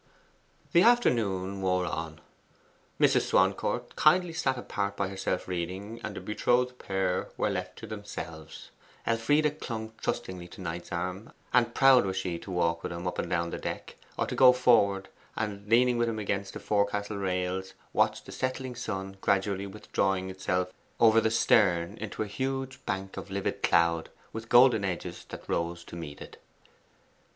The afternoon wore on. Mrs. Swancourt kindly sat apart by herself reading, and the betrothed pair were left to themselves. Elfride clung trustingly to Knight's arm, and proud was she to walk with him up and down the deck, or to go forward, and leaning with him against the forecastle rails, watch the setting sun gradually withdrawing itself over their stern into a huge bank of livid cloud with golden edges that rose to meet it.